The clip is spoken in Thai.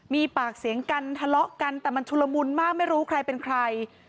มีปากเสียงกันทะเลาะกันแต่มันชุลมุนมากไม่รู้ใครเป็นใคร